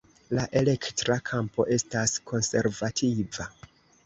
La elektra kampo estas konservativa.